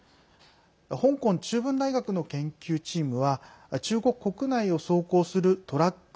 香港中文大学の研究チームは中国国内を走行するトラック